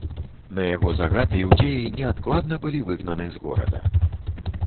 На яго загад іўдзеі неадкладна былі выгнаны з горада.